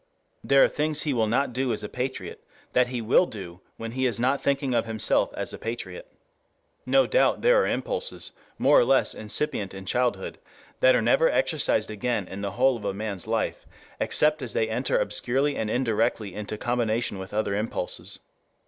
There are things he will not do as a patriot that he will do when he is not thinking of himself as a patriot. No doubt there are impulses, more or less incipient in childhood, that are never exercised again in the whole of a man's life, except as they enter obscurely and indirectly into combination with other impulses.